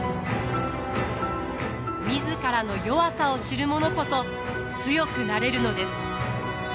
自らの弱さを知る者こそ強くなれるのです。